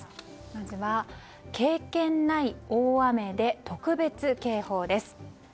まずは、経験ない大雨で特別警報です。